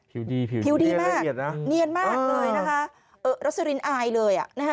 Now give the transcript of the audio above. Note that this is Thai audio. ผิวผิวดีมากเนียนมากเลยนะคะรสลินอายเลยอ่ะนะฮะ